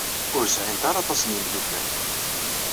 Ur sɛint aṭas n yimeddukal.